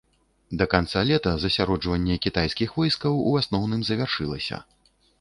Да канца лета засяроджванне кітайскіх войскаў у асноўным завяршылася.